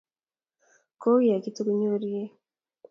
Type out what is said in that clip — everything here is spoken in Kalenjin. kou ya kitukunyorei.